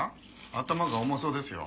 頭が重そうですよ。